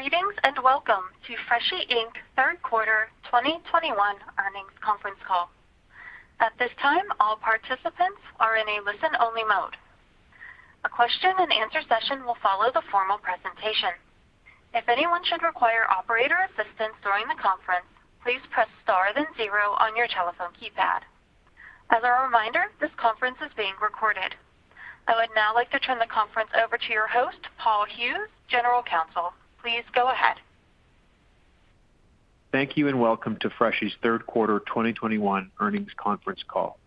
Greetings, and welcome to Freshii Inc. third quarter 2021 earnings conference call. At this time, all participants are in a listen-only mode. A question and answer session will follow the formal presentation. If anyone should require operator assistance during the conference, please press star then zero on your telephone keypad. As a reminder, this conference is being recorded. I would now like to turn the conference over to your host, Paul Hughes, General Counsel. Please go ahead. Thank you, and welcome to Freshii's third quarter 2021 earnings conference call.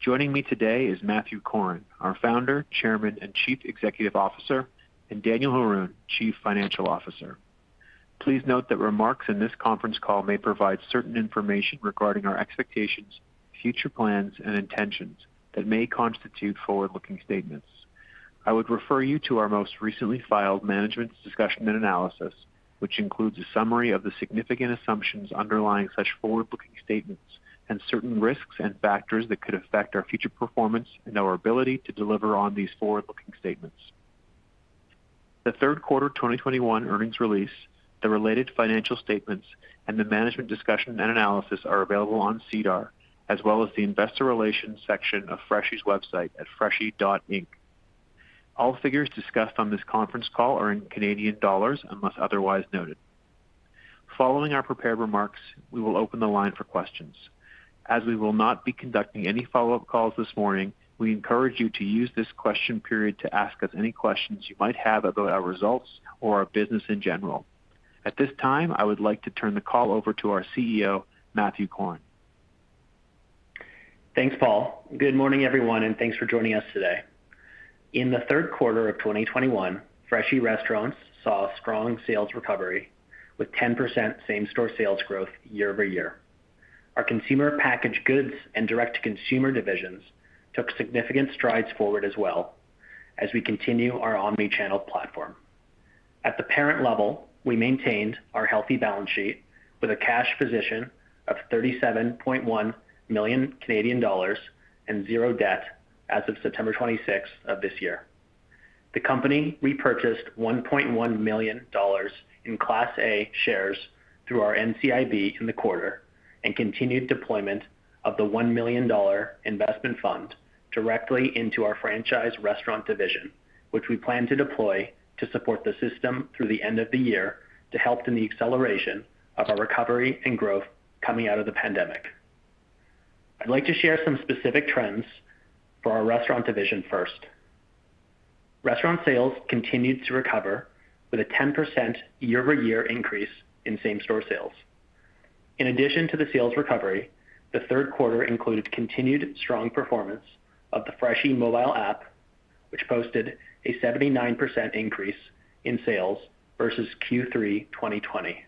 Joining me today is Matthew Corrin, our Founder, Chairman, and Chief Executive Officer, and Daniel Haroun, Chief Financial Officer. Please note that remarks in this conference call may provide certain information regarding our expectations, future plans, and intentions that may constitute forward-looking statements. I would refer you to our most recently filed management's discussion and analysis, which includes a summary of the significant assumptions underlying such forward-looking statements and certain risks and factors that could affect our future performance and our ability to deliver on these forward-looking statements. The third quarter 2021 earnings release, the related financial statements, and the management discussion and analysis are available on SEDAR, as well as the investor relations section of Freshii's website at freshii.inc. All figures discussed on this conference call are in Canadian dollars, unless otherwise noted. Following our prepared remarks, we will open the line for questions. As we will not be conducting any follow-up calls this morning, we encourage you to use this question period to ask us any questions you might have about our results or our business in general. At this time, I would like to turn the call over to our CEO, Matthew Corrin. Thanks, Paul. Good morning, everyone, and thanks for joining us today. In the third quarter of 2021, Freshii restaurants saw a strong sales recovery with 10% same-store sales growth year-over-year. Our consumer packaged goods and direct-to-consumer divisions took significant strides forward as well as we continue our omni-channel platform. At the parent level, we maintained our healthy balance sheet with a cash position of 37.1 million Canadian dollars and zero debt as of September 26 of this year. The company repurchased 1.1 million dollars in Class A shares through our NCIB in the quarter and continued deployment of the 1 million dollar investment fund directly into our franchise restaurant division, which we plan to deploy to support the system through the end of the year to help in the acceleration of our recovery and growth coming out of the pandemic. I'd like to share some specific trends for our restaurant division first. Restaurant sales continued to recover with a 10% year-over-year increase in same-store sales. In addition to the sales recovery, the third quarter included continued strong performance of the Freshii mobile app, which posted a 79% increase in sales versus Q3 2020.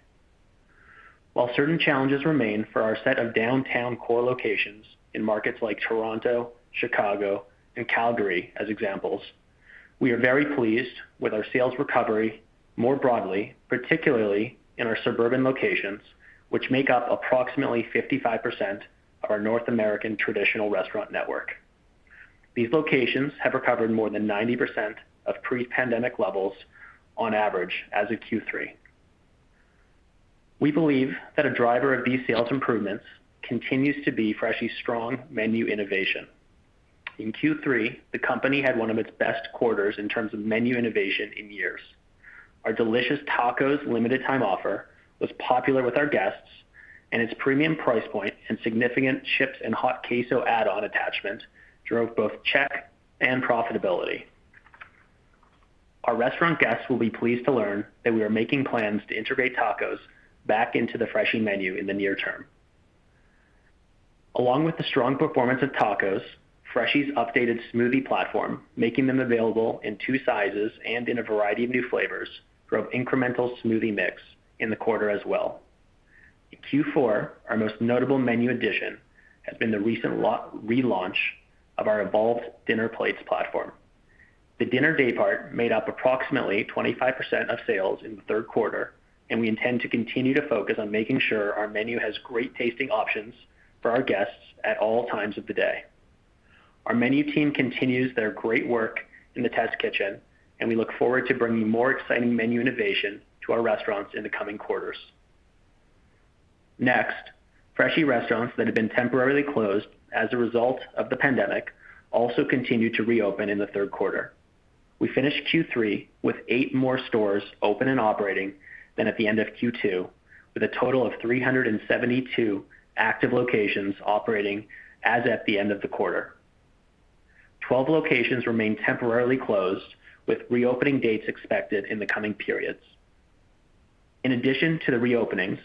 While certain challenges remain for our set of downtown core locations in markets like Toronto, Chicago, and Calgary as examples, we are very pleased with our sales recovery more broadly, particularly in our suburban locations, which make up approximately 55% of our North American traditional restaurant network. These locations have recovered more than 90% of pre-pandemic levels on average as of Q3. We believe that a driver of these sales improvements continues to be Freshii's strong menu innovation. In Q3, the company had one of its best quarters in terms of menu innovation in years. Our delicious tacos limited time offer was popular with our guests, and its premium price point and significant chips and hot queso add-on attachment drove both check and profitability. Our restaurant guests will be pleased to learn that we are making plans to integrate tacos back into the Freshii menu in the near term. Along with the strong performance of tacos, Freshii's updated smoothie platform, making them available in two sizes and in a variety of new flavors, drove incremental smoothie mix in the quarter as well. In Q4, our most notable menu addition has been the recent relaunch of our evolved dinner plates platform. The dinner daypart made up approximately 25% of sales in the third quarter, and we intend to continue to focus on making sure our menu has great-tasting options for our guests at all times of the day. Our menu team continues their great work in the test kitchen, and we look forward to bringing more exciting menu innovation to our restaurants in the coming quarters. Next, Freshii restaurants that have been temporarily closed as a result of the pandemic also continued to reopen in the third quarter. We finished Q3 with eight more stores open and operating than at the end of Q2, with a total of 372 active locations operating as at the end of the quarter. 12 locations remain temporarily closed, with reopening dates expected in the coming periods. In addition to the reopenings,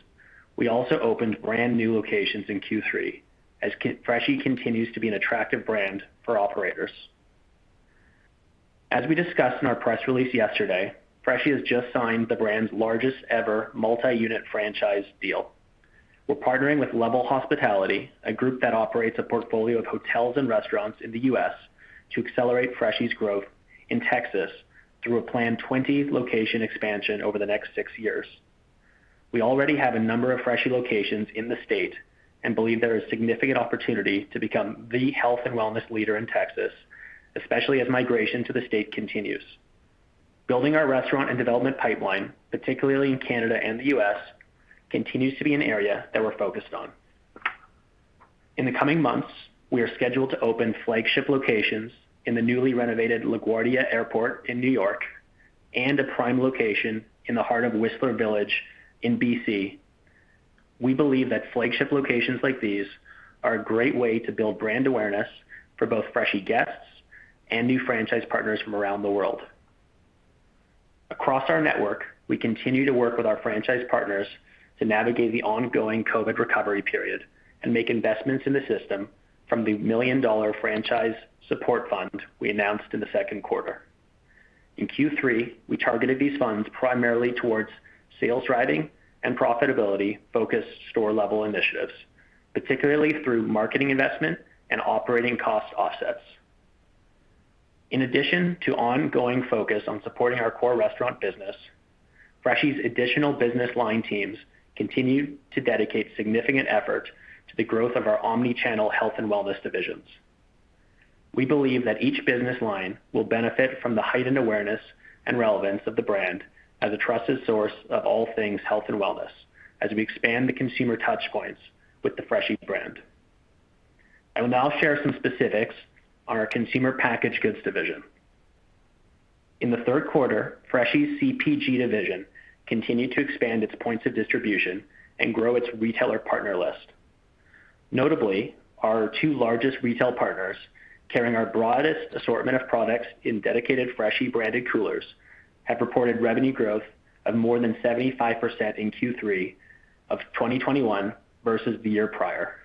we also opened brand-new locations in Q3. Freshii continues to be an attractive brand for operators. As we discussed in our press release yesterday, Freshii has just signed the brand's largest ever multi-unit franchise deal. We're partnering with Level Hospitality, a group that operates a portfolio of hotels and restaurants in the U.S., to accelerate Freshii's growth in Texas through a planned 20-location expansion over the next six years. We already have a number of Freshii locations in the state and believe there is significant opportunity to become the health and wellness leader in Texas, especially as migration to the state continues. Building our restaurant and development pipeline, particularly in Canada and the U.S., continues to be an area that we're focused on. In the coming months, we are scheduled to open flagship locations in the newly renovated LaGuardia Airport in New York and a prime location in the heart of Whistler Village in B.C. We believe that flagship locations like these are a great way to build brand awareness for both Freshii guests and new franchise partners from around the world. Across our network, we continue to work with our franchise partners to navigate the ongoing COVID recovery period and make investments in the system from the million-dollar franchise support fund we announced in the second quarter. In Q3, we targeted these funds primarily towards sales driving and profitability-focused store-level initiatives, particularly through marketing investment and operating cost offsets. In addition to ongoing focus on supporting our core restaurant business, Freshii's additional business line teams continue to dedicate significant effort to the growth of our omni-channel health and wellness divisions. We believe that each business line will benefit from the heightened awareness and relevance of the brand as a trusted source of all things health and wellness as we expand the consumer touchpoints with the Freshii brand. I will now share some specifics on our consumer packaged goods division. In the third quarter, Freshii's CPG division continued to expand its points of distribution and grow its retailer partner list. Notably, our two largest retail partners carrying our broadest assortment of products in dedicated Freshii branded coolers have reported revenue growth of more than 75% in Q3 of 2021 versus the year prior.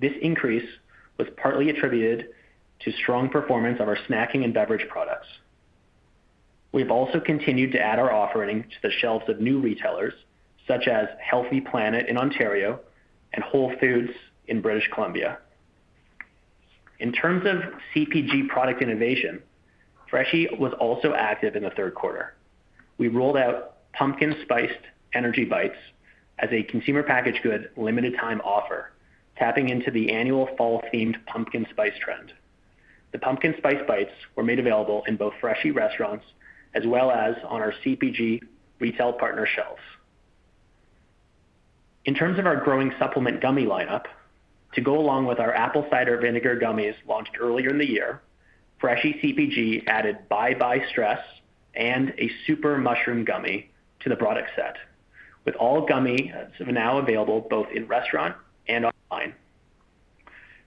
This increase was partly attributed to strong performance of our snacking and beverage products. We've also continued to add our offering to the shelves of new retailers, such as Healthy Planet in Ontario and Whole Foods in British Columbia. In terms of CPG product innovation, Freshii was also active in the third quarter. We rolled out pumpkin spiced energy bites as a consumer packaged good limited time offer, tapping into the annual fall-themed pumpkin spice trend. The pumpkin spice bites were made available in both Freshii restaurants as well as on our CPG retail partner shelves. In terms of our growing supplement gummy lineup, to go along with our apple cider vinegar gummies launched earlier in the year, Freshii CPG added Bye Bye Stress and a super mushroom gummy to the product set, with all gummies now available both in restaurant and online.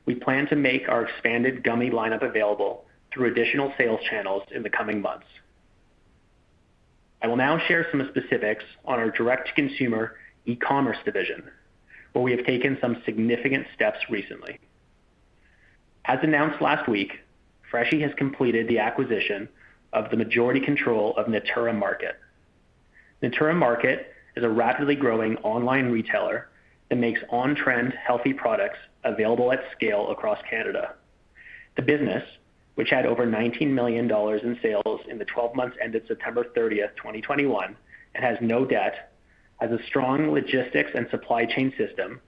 We plan to make our expanded gummy lineup available through additional sales channels in the coming months. I will now share some specifics on our direct-to-consumer e-commerce division, where we have taken some significant steps recently. As announced last week, Freshii has completed the acquisition of the majority control of Natura Market. Natura Market is a rapidly growing online retailer that makes on-trend healthy products available at scale across Canada. The business, which had over 19 million dollars in sales in the 12 months ended September 30, 2021, and has no debt, has a strong logistics and supply chain system,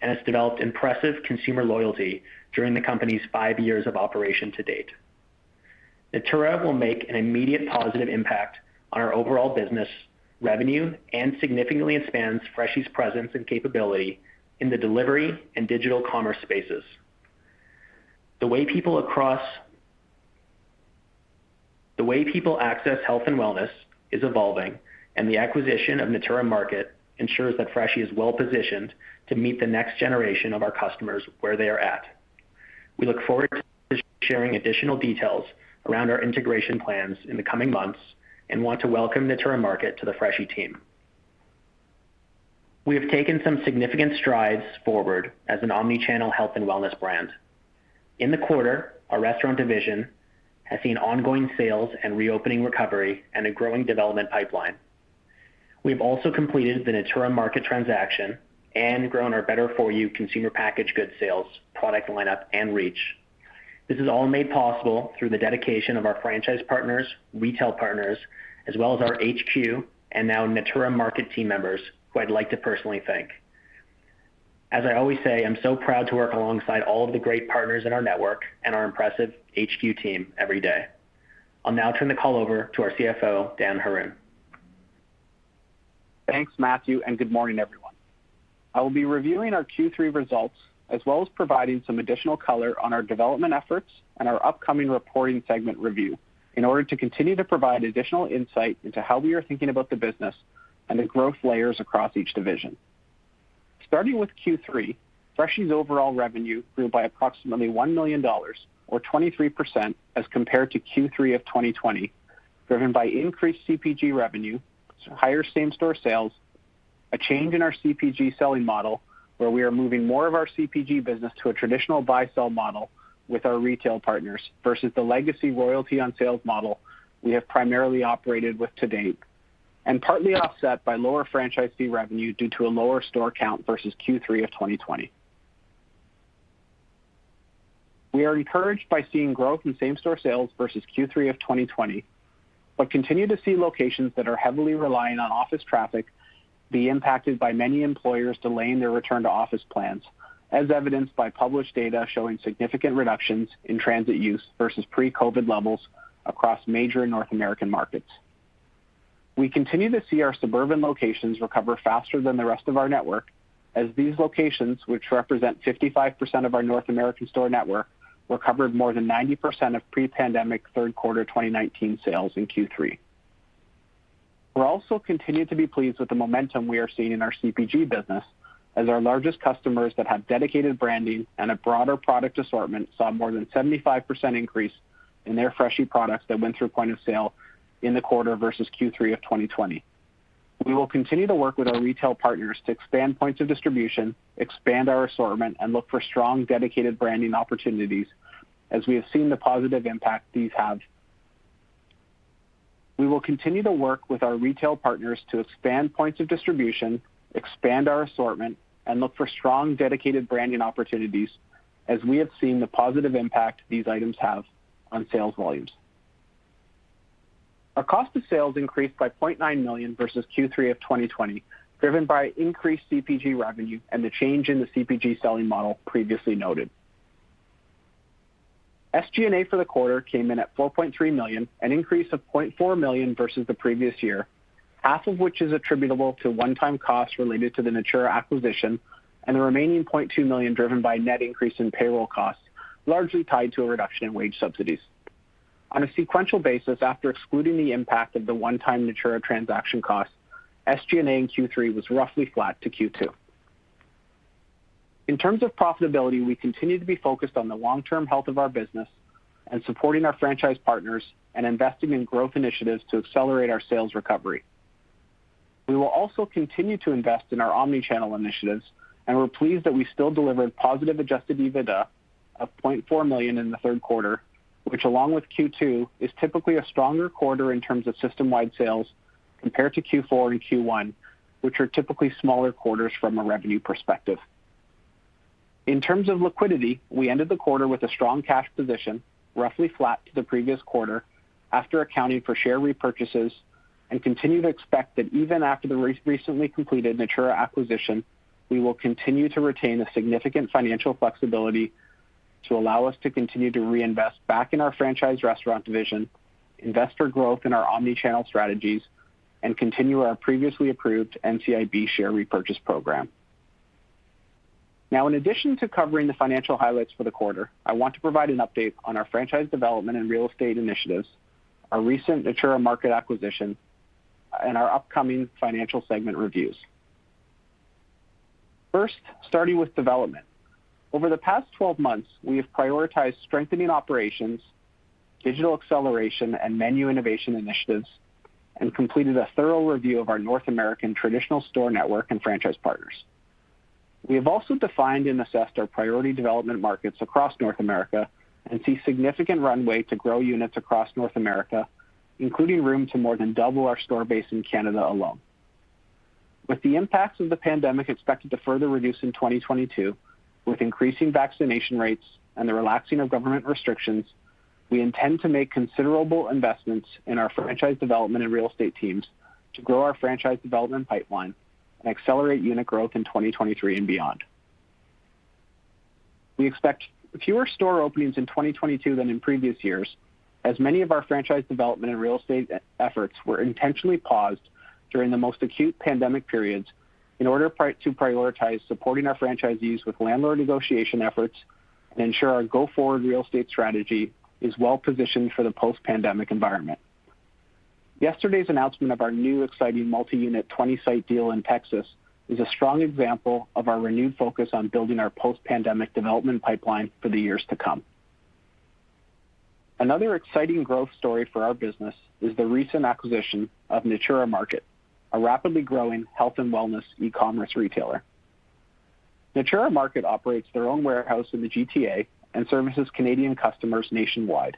and has developed impressive consumer loyalty during the company's 5 years of operation to date. Natura will make an immediate positive impact on our overall business revenue and significantly expands Freshii's presence and capability in the delivery and digital commerce spaces. The way people access health and wellness is evolving, and the acquisition of Natura Market ensures that Freshii is well-positioned to meet the next generation of our customers where they are at. We look forward to sharing additional details around our integration plans in the coming months and want to welcome Natura Market to the Freshii team. We have taken some significant strides forward as an omni-channel health and wellness brand. In the quarter, our restaurant division has seen ongoing sales and reopening recovery and a growing development pipeline. We've also completed the Natura Market transaction and grown our better for you consumer packaged goods sales, product lineup, and reach. This is all made possible through the dedication of our franchise partners, retail partners, as well as our HQ and now Natura Market team members, who I'd like to personally thank. As I always say, I'm so proud to work alongside all of the great partners in our network and our impressive HQ team every day. I'll now turn the call over to our CFO, Dan Haroun. Thanks, Matthew, and good morning, everyone. I will be reviewing our Q3 results as well as providing some additional color on our development efforts and our upcoming reporting segment review in order to continue to provide additional insight into how we are thinking about the business and the growth layers across each division. Starting with Q3, Freshii's overall revenue grew by approximately 1 million dollars or 23% as compared to Q3 of 2020, driven by increased CPG revenue, higher same-store sales, a change in our CPG selling model, where we are moving more of our CPG business to a traditional buy sell model with our retail partners versus the legacy royalty on sales model we have primarily operated with to date, and partly offset by lower franchisee revenue due to a lower store count versus Q3 of 2020. We are encouraged by seeing growth in same-store sales versus Q3 of 2020, but we continue to see locations that are heavily reliant on office traffic be impacted by many employers delaying their return to office plans, as evidenced by published data showing significant reductions in transit use versus pre-COVID levels across major North American markets. We continue to see our suburban locations recover faster than the rest of our network as these locations, which represent 55% of our North American store network, recovered more than 90% of pre-pandemic third quarter 2019 sales in Q3. We're also continuing to be pleased with the momentum we are seeing in our CPG business as our largest customers that have dedicated branding and a broader product assortment saw more than 75% increase in their Freshii products that went through point of sale in the quarter versus Q3 of 2020. We will continue to work with our retail partners to expand points of distribution, expand our assortment, and look for strong dedicated branding opportunities as we have seen the positive impact these have. We will continue to work with our retail partners to expand points of distribution, expand our assortment, and look for strong dedicated branding opportunities as we have seen the positive impact these items have on sales volumes. Our cost of sales increased by 0.9 million versus Q3 of 2020, driven by increased CPG revenue and the change in the CPG selling model previously noted. SG&A for the quarter came in at 4.3 million, an increase of 0.4 million versus the previous year, half of which is attributable to one-time costs related to the Natura acquisition and the remaining 0.2 million driven by net increase in payroll costs, largely tied to a reduction in wage subsidies. On a sequential basis, after excluding the impact of the one-time Natura transaction cost, SG&A in Q3 was roughly flat to Q2. In terms of profitability, we continue to be focused on the long-term health of our business and supporting our franchise partners and investing in growth initiatives to accelerate our sales recovery. We will also continue to invest in our omni-channel initiatives, and we're pleased that we still delivered positive adjusted EBITDA of 0.4 million in the third quarter, which along with Q2, is typically a stronger quarter in terms of system-wide sales compared to Q4 and Q1, which are typically smaller quarters from a revenue perspective. In terms of liquidity, we ended the quarter with a strong cash position, roughly flat to the previous quarter after accounting for share repurchases, and continue to expect that even after the recently completed Natura acquisition, we will continue to retain a significant financial flexibility to allow us to continue to reinvest back in our franchise restaurant division, invest for growth in our omni-channel strategies, and continue our previously approved NCIB share repurchase program. Now, in addition to covering the financial highlights for the quarter, I want to provide an update on our franchise development and real estate initiatives, our recent Natura Market acquisition, and our upcoming financial segment reviews. First, starting with development. Over the past 12 months, we have prioritized strengthening operations, digital acceleration, and menu innovation initiatives, and completed a thorough review of our North American traditional store network and franchise partners. We have also defined and assessed our priority development markets across North America and see significant runway to grow units across North America, including room to more than double our store base in Canada alone. With the impacts of the pandemic expected to further reduce in 2022, with increasing vaccination rates and the relaxing of government restrictions, we intend to make considerable investments in our franchise development and real estate teams to grow our franchise development pipeline and accelerate unit growth in 2023 and beyond. We expect fewer store openings in 2022 than in previous years, as many of our franchise development and real estate efforts were intentionally paused during the most acute pandemic periods in order to prioritize supporting our franchisees with landlord negotiation efforts and ensure our go-forward real estate strategy is well positioned for the post-pandemic environment. Yesterday's announcement of our new exciting multi-unit 20-site deal in Texas is a strong example of our renewed focus on building our post-pandemic development pipeline for the years to come. Another exciting growth story for our business is the recent acquisition of Natura Market, a rapidly growing health and wellness e-commerce retailer. Natura Market operates their own warehouse in the GTA and services Canadian customers nationwide.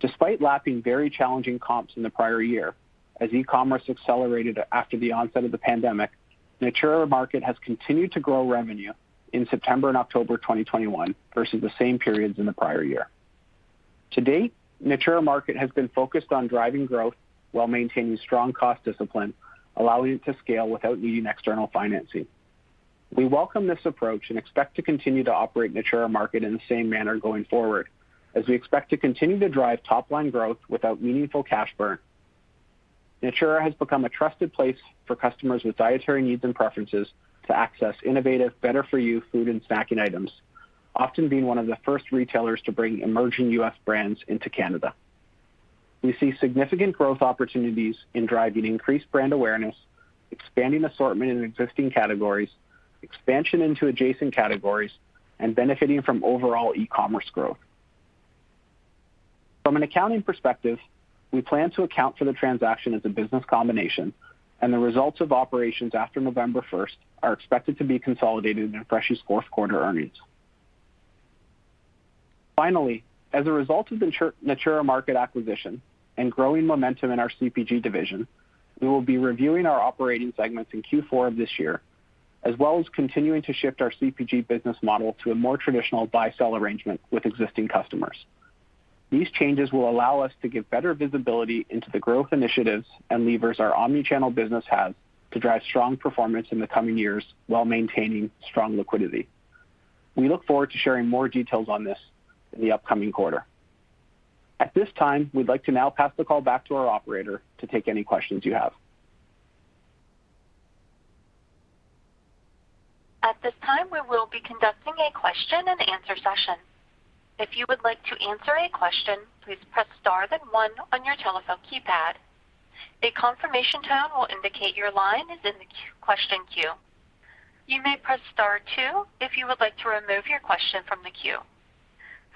Despite lapping very challenging comps in the prior year, as e-commerce accelerated after the onset of the pandemic, Natura Market has continued to grow revenue in September and October 2021 versus the same periods in the prior year. To date, Natura Market has been focused on driving growth while maintaining strong cost discipline, allowing it to scale without needing external financing. We welcome this approach and expect to continue to operate Natura Market in the same manner going forward, as we expect to continue to drive top-line growth without meaningful cash burn. Natura Market has become a trusted place for customers with dietary needs and preferences to access innovative, better-for-you food and snacking items, often being one of the first retailers to bring emerging U.S. brands into Canada. We see significant growth opportunities in driving increased brand awareness, expanding assortment in existing categories, expansion into adjacent categories, and benefiting from overall e-commerce growth. From an accounting perspective, we plan to account for the transaction as a business combination, and the results of operations after November first are expected to be consolidated in Freshii's fourth quarter earnings. Finally, as a result of the Natura Market acquisition and growing momentum in our CPG division, we will be reviewing our operating segments in Q4 of this year. As well as continuing to shift our CPG business model to a more traditional buy-sell arrangement with existing customers. These changes will allow us to give better visibility into the growth initiatives and levers our omnichannel business has to drive strong performance in the coming years while maintaining strong liquidity. We look forward to sharing more details on this in the upcoming quarter. At this time, we'd like to now pass the call back to our operator to take any questions you have. At this time, we will be conducting a question and answer session. If you would like to answer a question, please press star then one on your telephone keypad. A confirmation tone will indicate your line is in the question queue. You may press star two if you would like to remove your question from the queue.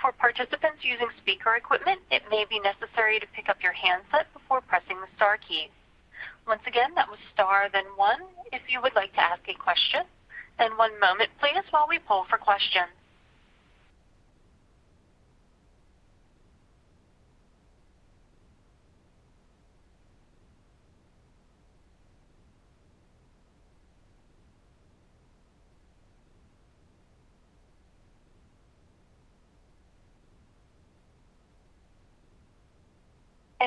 For participants using speaker equipment, it may be necessary to pick up your handset before pressing the star key. Once again, that was star then one if you would like to ask a question. One moment please while we poll for questions.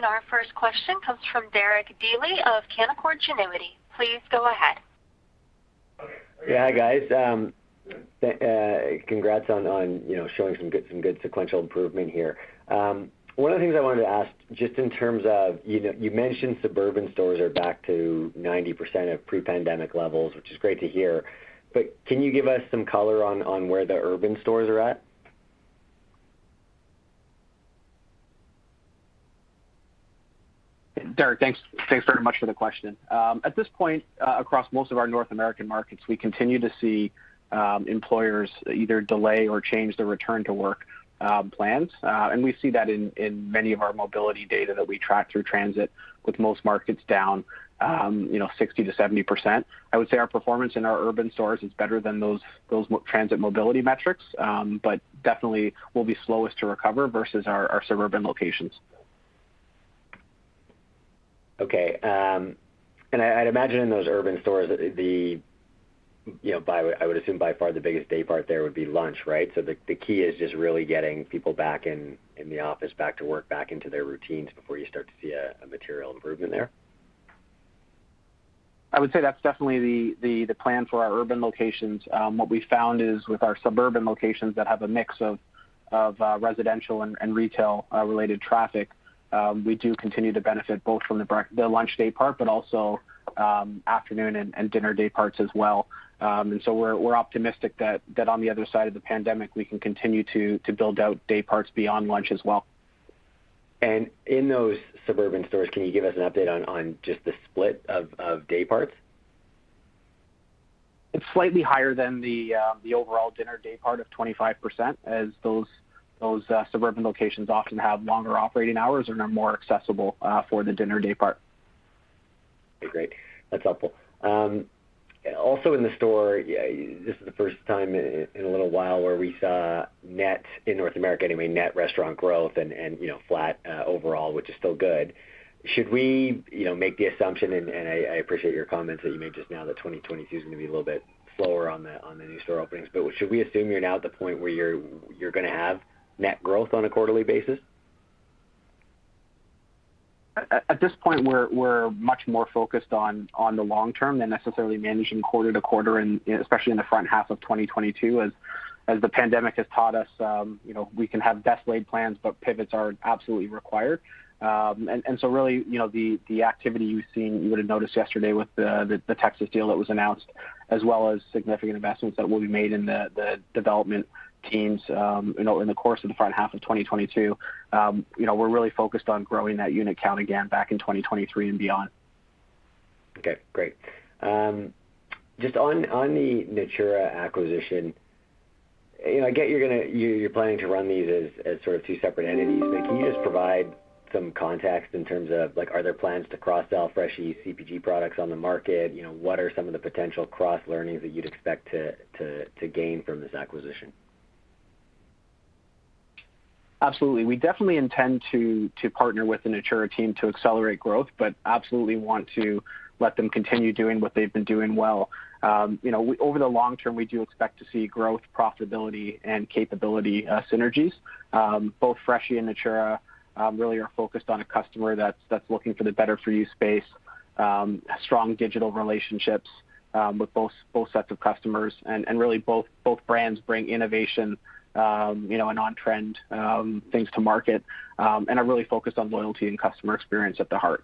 Our first question comes from Derek Dley of Canaccord Genuity. Please go ahead. Yeah, guys, congrats on you know showing some good sequential improvement here. One of the things I wanted to ask, just in terms of, you know, you mentioned suburban stores are back to 90% of pre-pandemic levels, which is great to hear. Can you give us some color on where the urban stores are at? Derek, thanks very much for the question. At this point, across most of our North American markets, we continue to see employers either delay or change their return to work plans. We see that in many of our mobility data that we track through transit with most markets down, you know, 60%-70%. I would say our performance in our urban stores is better than those transit mobility metrics, but definitely will be slowest to recover versus our suburban locations. Okay. I'd imagine in those urban stores you know I would assume by far the biggest daypart there would be lunch, right? The key is just really getting people back in the office, back to work, back into their routines before you start to see a material improvement there. I would say that's definitely the plan for our urban locations. What we found is with our suburban locations that have a mix of residential and retail related traffic, we do continue to benefit both from the lunch daypart, but also, afternoon and dinner dayparts as well. We're optimistic that on the other side of the pandemic, we can continue to build out dayparts beyond lunch as well. In those suburban stores, can you give us an update on just the split of dayparts? It's slightly higher than the overall dinner daypart of 25% as those suburban locations often have longer operating hours and are more accessible for the dinner daypart. Okay, great. That's helpful. Also in the store, this is the first time in a little while where we saw net, in North America anyway, net restaurant growth and, you know, flat overall, which is still good. Should we, you know, make the assumption, and I appreciate your comments that you made just now that 2022 is gonna be a little bit slower on the new store openings. Should we assume you're now at the point where you're gonna have net growth on a quarterly basis? At this point we're much more focused on the long term than necessarily managing quarter to quarter and especially in the front half of 2022 as the pandemic has taught us, you know, we can have best laid plans, but pivots are absolutely required. Really, you know, the activity you've seen, you would have noticed yesterday with the Texas deal that was announced, as well as significant investments that will be made in the development teams, you know, in the course of the front half of 2022. You know, we're really focused on growing that unit count again back in 2023 and beyond. Okay, great. Just on the Natura acquisition, you know, I get you're planning to run these as sort of two separate entities. Can you just provide some context in terms of, like, are there plans to cross-sell Freshii CPG products on the market? You know, what are some of the potential cross-learnings that you'd expect to gain from this acquisition? Absolutely. We definitely intend to partner with the Natura team to accelerate growth, but absolutely want to let them continue doing what they've been doing well. You know, over the long term, we do expect to see growth, profitability and capability synergies. Both Freshii and Natura really are focused on a customer that's looking for the better for you space, strong digital relationships with both sets of customers. Really both brands bring innovation, you know, and on-trend things to market, and are really focused on loyalty and customer experience at the heart.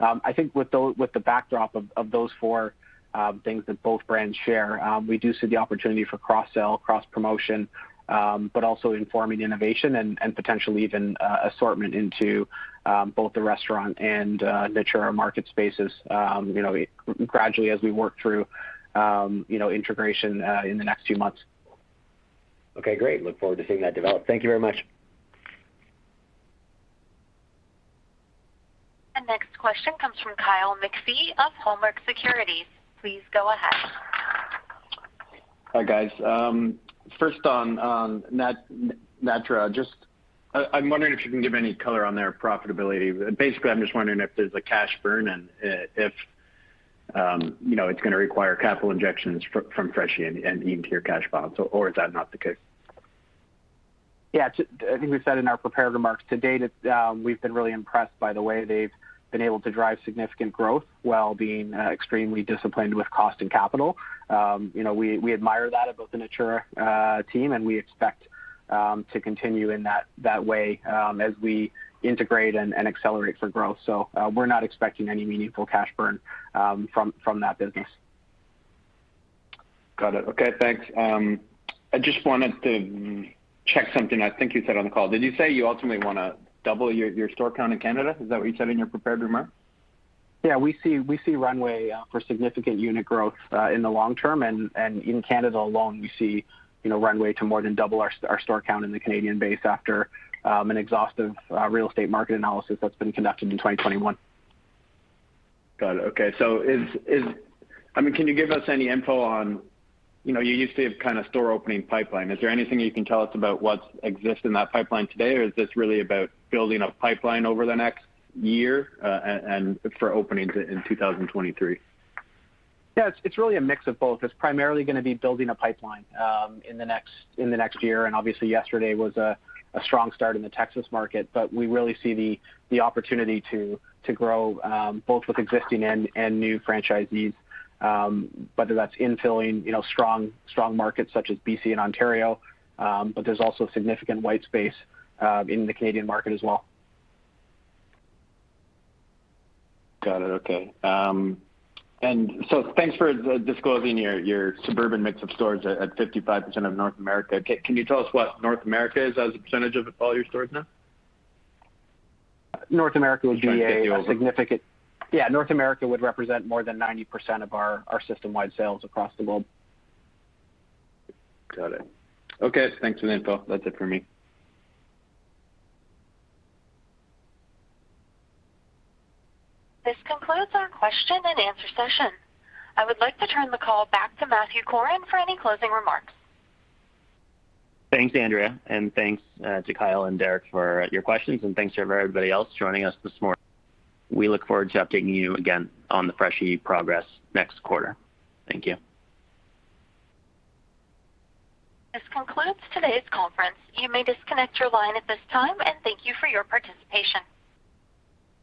I think with the backdrop of those four things that both brands share, we do see the opportunity for cross-sell, cross-promotion, but also informing innovation and potentially even assortment into both the restaurant and Natura Market spaces, you know, gradually as we work through integration in the next few months. Okay, great. Look forward to seeing that develop. Thank you very much. The next question comes from Kyle McPhee of Cormark Securities. Please go ahead. Hi, guys. First on Natura, I'm wondering if you can give any color on their profitability. Basically, I'm just wondering if there's a cash burn and if you know it's gonna require capital injections from Freshii and even to your cash bonds, or is that not the case? Yeah. I think we said in our prepared remarks today that we've been really impressed by the way they've been able to drive significant growth while being extremely disciplined with cost and capital. You know, we admire that about the Natura team, and we expect to continue in that way as we integrate and accelerate for growth. We're not expecting any meaningful cash burn from that business. Got it. Okay, thanks. I just wanted to check something I think you said on the call. Did you say you ultimately wanna double your store count in Canada? Is that what you said in your prepared remark? Yeah. We see runway for significant unit growth in the long term. In Canada alone, we see, you know, runway to more than double our store count in the Canadian base after an exhaustive real estate market analysis that's been conducted in 2021. Got it. Okay. I mean, can you give us any info on, you know, you used to have kinda store opening pipeline. Is there anything you can tell us about what exists in that pipeline today, or is this really about building a pipeline over the next year, and for openings in 2023? Yeah. It's really a mix of both. It's primarily gonna be building a pipeline in the next year, and obviously yesterday was a strong start in the Texas market. We really see the opportunity to grow both with existing and new franchisees, whether that's infilling, you know, strong markets such as BC and Ontario, but there's also significant white space in the Canadian market as well. Got it. Okay. Thanks for disclosing your suburban mix of stores at 55% of North America. Can you tell us what North America is as a percentage of all your stores now? North America would be a- Just trying to get you over- ...significant. Yeah, North America would represent more than 90% of our system-wide sales across the globe. Got it. Okay. Thanks for the info. That's it for me. This concludes our question and answer session. I would like to turn the call back to Matthew Corrin for any closing remarks. Thanks, Operator, and thanks to Kyle and Derek for your questions, and thanks to everybody else joining us this morning. We look forward to updating you again on the Freshii progress next quarter. Thank you. This concludes today's conference. You may disconnect your line at this time, and thank you for your participation.